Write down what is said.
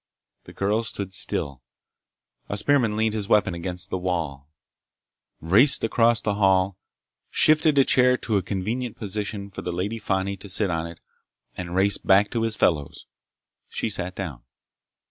The girl stood still. A spearman leaned his weapon against the wall, raced across the hall, shifted a chair to a convenient position for the Lady Fani to sit on it, and raced back to his fellows. She sat down.